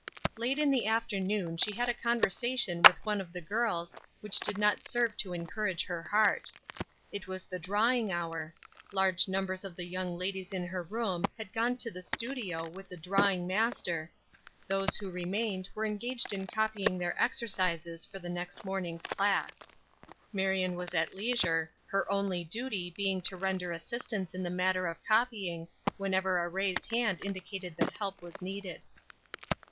Late in the afternoon she had a conversation with one of the girls which did not serve to encourage her heart. It was the drawing hour. Large numbers of the young ladies in her room had gone to the studio with the drawing master; those few who remained were engaged in copying their exercises for the next morning's class. Marion was at leisure, her only duty being to render assistance in the matter of copying wherever a raised hand indicated that help was needed.